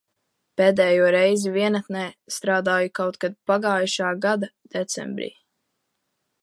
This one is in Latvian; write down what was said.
Pēdējo reizi vienatnē strādāju kaut kad pagājušā gada decembrī.